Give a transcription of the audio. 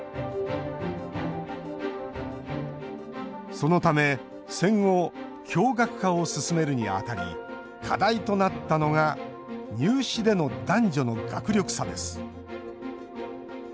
そのため、戦後共学化を進めるにあたり課題となったのが入試での男女の学力差です。